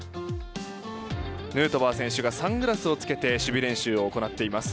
ヌートバー選手がサングラスを着けて守備練習を行っています。